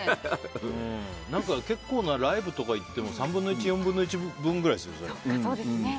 結構なライブとか行っても３分の１４分の１分くらいですよね。